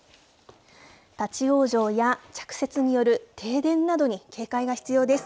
立往生や着雪による停電などに警戒が必要です。